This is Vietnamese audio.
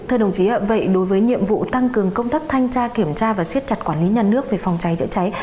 thưa đồng chí ạ vậy đối với nhiệm vụ tăng cường công tác thanh tra kiểm tra và siết chặt quản lý nhà nước về phòng cháy chữa cháy